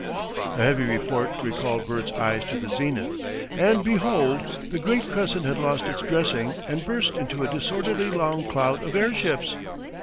A heavy report recalled Bert's eyes to the zenith, and behold, the great crescent had lost its dressing and burst into a disorderly long cloud of airships!